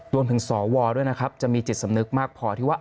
สวด้วยนะครับจะมีจิตสำนึกมากพอที่ว่า